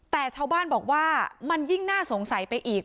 แต่ชาวบ้านบอกว่ามันยิ่งน่าสงสัยไปอีก